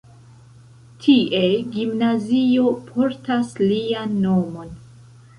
Tie gimnazio portas lian nomon.